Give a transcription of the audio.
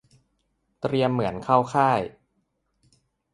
เตรียมเหมือนเข้าค่าย